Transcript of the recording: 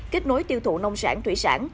kết nối tiêu thụ nông sản thủy sản